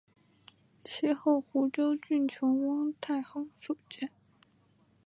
其后湖州郡丞汪泰亨所建。